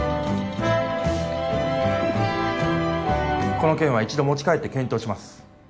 この件は一度持ち帰って検討します